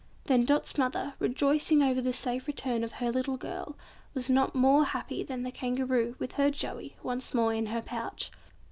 Then Dot's mother, rejoicing over the safe return of her little girl, was not more happy than the Kangaroo with her Joey once more in her pouch.